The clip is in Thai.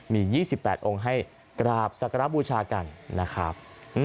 มี๒๘องค์ให้กราบสักการะบูชากันนะครับ